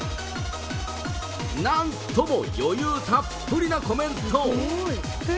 なんとも余裕たっぷりなコメント。